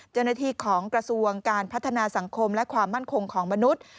เจ้าหน้าที่ของกระทรวงการพัฒนาสังคมและความมั่นคงของมนุษย์